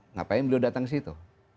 ngapain beliau datang ke situ